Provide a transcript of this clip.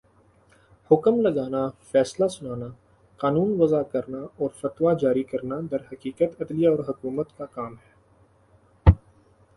حکم لگانا، فیصلہ سنانا، قانون وضع کرنا اورفتویٰ جاری کرنا درحقیقت، عدلیہ اور حکومت کا کام ہے